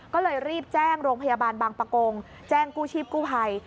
ก็เลยรีบแจ้งโรงพยาบาลบางประกงแจ้งกู้ชีพกู้ภัย